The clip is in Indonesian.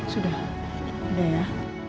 sudah udah ya